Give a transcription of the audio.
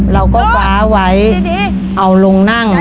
เราก็คว้าไว้เอาลงนั่ง